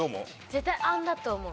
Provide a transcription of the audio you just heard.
絶対「安」だと思う。